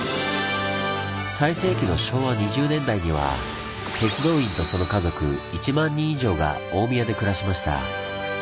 最盛期の昭和２０年代には鉄道員とその家族１万人以上が大宮で暮らしました。